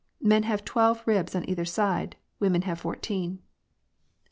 Men have twelve ribs on either side ; women have fourteen."